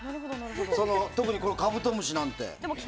特に「カブトムシ」なんて。